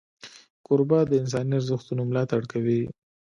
کوربه د انساني ارزښتونو ملاتړ کوي.